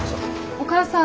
お母さん。